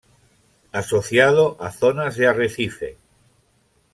Asociado a zonas de arrecife.